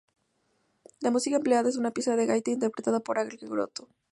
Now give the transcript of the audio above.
La música empleada es una pieza de gaita interpretada en "allegretto".